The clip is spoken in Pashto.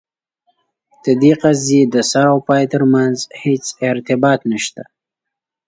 د دې قضیې د سر او پای ترمنځ هیڅ ارتباط نسته.